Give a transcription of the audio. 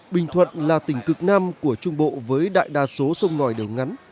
bình thuận là tỉnh cực nam của trung bộ với đại đa số sông ngòi đều ngắn